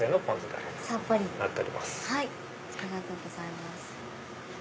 ありがとうございます。